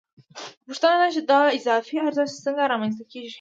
خو پوښتنه دا ده چې دا اضافي ارزښت څنګه رامنځته کېږي